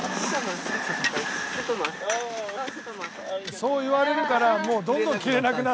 「そう言われるからもうどんどん着れなくなるんだよ」